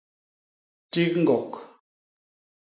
Tik ñgok.